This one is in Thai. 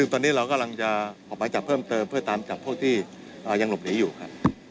ตอนนี้รับมีข้อมูลหรือยังค่ะ